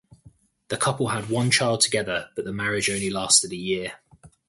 The couple had one child together, but the marriage only lasted a year.